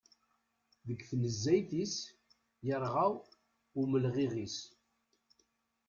Deg tnezzayt-is, yerɣa umelɣiɣ-is.